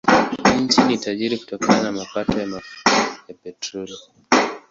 Nchi ni tajiri kutokana na mapato ya mafuta ya petroli.